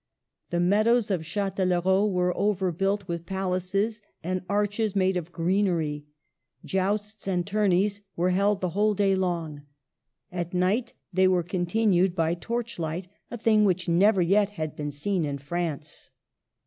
The meadows of Chatellerault were overbuilt with palaces and arches made of greenery; jousts and tourneys were held the whole day long. At night they were continued by torchlight, — a thing which never yet had been seen in France.